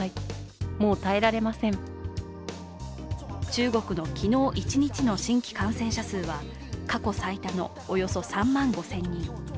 中国の昨日一日の新規感染者数は過去最多のおよそ３万５０００人。